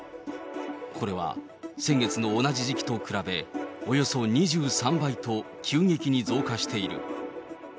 これは先月の同じ時期と比べ、およそ２３倍と急激に増加している。